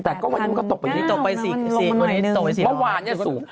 ตกไป๔หมื่น